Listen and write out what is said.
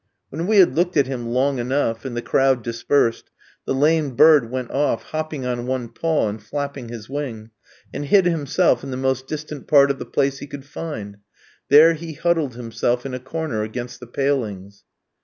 When we had looked at him long enough, and the crowd dispersed, the lamed bird went off, hopping on one paw and flapping his wing, and hid himself in the most distant part of the place he could find; there he huddled himself in a corner against the palings.